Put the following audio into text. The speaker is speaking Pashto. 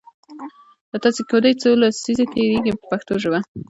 له تاسیس کیدو یې څو لسیزې تیریږي په پښتو ژبه.